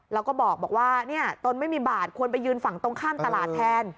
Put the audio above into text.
แล้วก็บอกว่าตนไม่มีบาทควรไปยืนฝั่งตรงข้ามตลาดแทน